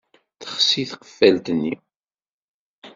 Texsi tqeffalt-nni.